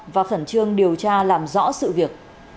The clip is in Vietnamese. và phẩn trương điều tra làm rõ sự việc